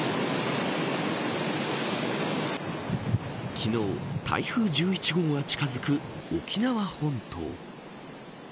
昨日、台風１１号が近づく沖縄本島。